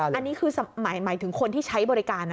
อันนี้คือหมายถึงคนที่ใช้บริการนะ